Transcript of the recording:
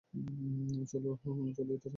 চলো এটা রান্না করে খেয়ে ফেলি।